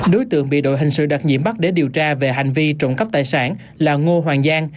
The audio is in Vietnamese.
đối tượng bị đội hình sự đặc nhiệm bắt để điều tra về hành vi trộm cắp tài sản là ngô hoàng giang